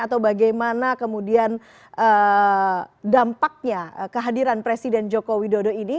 atau bagaimana kemudian dampaknya kehadiran presiden jokowi dodo ini